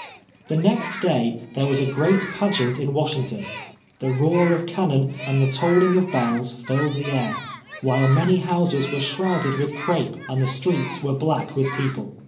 Tlie next day there was a great pageant in Wash ington. Tlie roar of cannon and the tolling of hells tilled the air, while many houses Vv'ere shrouded with crape, and the streets were black with people.